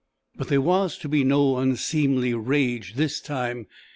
But there was to be no unseemly rage this time.